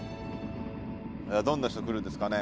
どんな人来るんですかね？